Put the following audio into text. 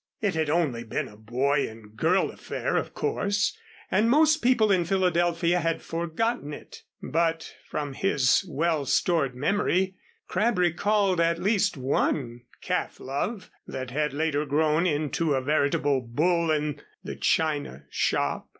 It had only been a boy and girl affair, of course, and most people in Philadelphia had forgotten it, but from his well stored memory Crabb recalled at least one calf love that had later grown into a veritable bull in the china shop.